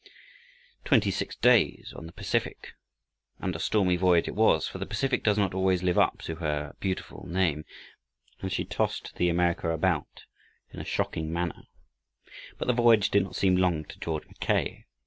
Twenty six days on the Pacific! And a stormy voyage it was, for the Pacific does not always live up to her beautiful name, and she tossed the America about in a shocking manner. But the voyage did not seem long to George Mackay.